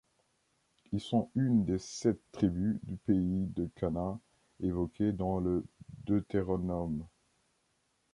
Ils sont une des sept tribus du pays de Canaan évoquées dans le Deutéronome.